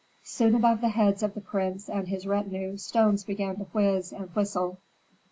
Soon above the heads of the prince and his retinue stones began to whizz and whistle.